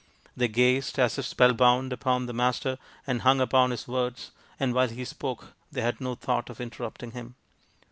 They gazed, as if spell bound, upon the Master and hung upon his words, and while he spoke they had no thought of interrupting him.